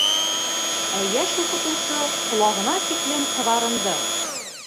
Ә йәш уҡытыусы ҡолағына тиклем ҡыҙарынды.